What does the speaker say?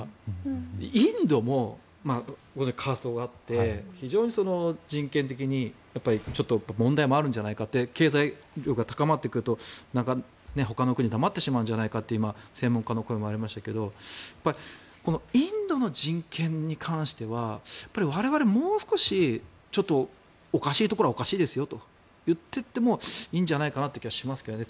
インドもカーストがあって非常に人権的にちょっと問題もあるんじゃないかと経済力が高まってくるとほかの国は黙ってしまうんじゃないかという専門家の声もありましたけどインドの人権に関しては我々、もう少しちょっとおかしいところはおかしいですよと言っていってもいいんじゃないかなという気はしますけどね。